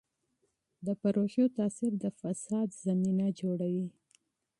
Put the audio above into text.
د پروژو اغېز د فساد زمینه برابروي.